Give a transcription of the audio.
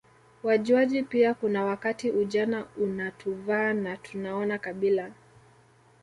wajuaji pia kuna wakati ujana unatuvaa na tunaona kabila